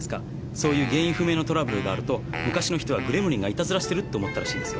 そういう原因不明のトラブルがあると昔の人は「グレムリンがいたずらしてる」って思ったらしいんですよ。